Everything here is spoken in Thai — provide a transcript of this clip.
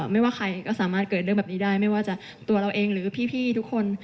ไม่ว่าใครก็สามารถเกิดเรื่องแบบนี้ได้ไม่ว่าจะตัวเราเองหรือพี่ทุกคน